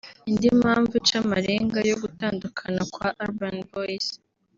Indi mpamvu ica amarenga yo gutandukana kwa Urban Boys